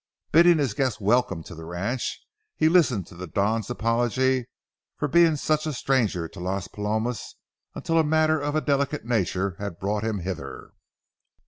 Bidding his guest welcome to the ranch, he listened to the Don's apology for being such a stranger to Las Palomas until a matter of a delicate nature had brought him hither.